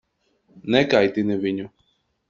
Nekaitini viņu.